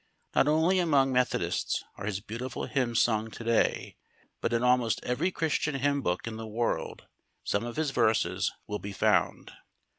Not only among Methodists are his beautiful hymns sung to day, but in almost every Christian hymn book in the world some of his verses will be found.